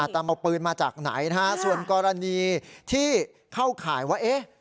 ตามเอาปืนมาจากไหนนะฮะส่วนกรณีที่เข้าข่ายว่าเอ๊ะ